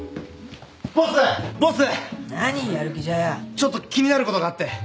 ちょっと気になることがあって。